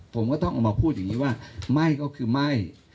ผมก็ต้องออกมาพูดอย่างนี้ว่าไม่ก็คือไม่